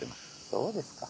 そうですか。